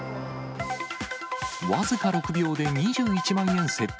僅か６秒で２１万円窃盗。